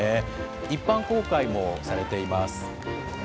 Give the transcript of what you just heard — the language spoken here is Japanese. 一般公開もされています。